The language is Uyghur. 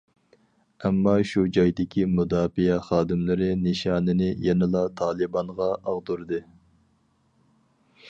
ئەمما شۇ جايدىكى مۇداپىئە خادىملىرى نىشانىنى يەنىلا تالىبانغا ئاغدۇردى.